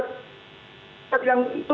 seperti yang itu